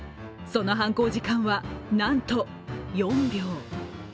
その犯行時間は、なんと４秒。